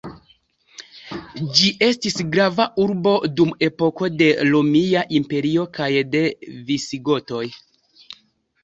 Ĝi estis grava urbo dum epoko de la Romia Imperio kaj de visigotoj.